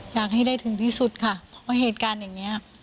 อยากให้ได้ถึงที่สุดค่ะเพราะเหตุการณ์อย่างนี้